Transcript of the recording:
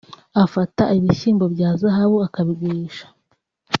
afata ibishyimbo bya Zahabu akabigurisha